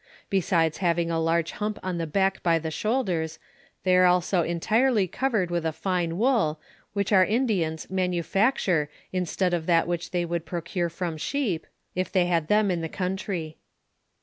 Boaidea having a largo liiiuip on the buck by the alioiildura, they are alao entirely covered with « fine wool, which our Indiana manufacture inatead of that which they would procure ft'oiii ahcr:|\ if thoy hud them in the country.